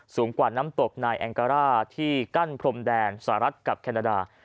สูงกว่าน้ำตกนายแองการ่าที่กั้นพรมแดนสหรัฐกับแคนาดา